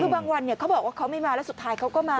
คือบางวันเขาบอกว่าเขาไม่มาแล้วสุดท้ายเขาก็มา